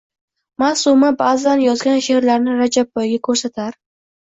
Maʼsuma baʼzan yozgan sheʼrlarini Rajabboyga koʼrsatar